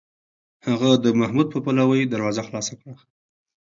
هغه د محمود په پلوۍ دروازه خلاصه کړه.